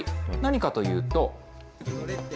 何かというと。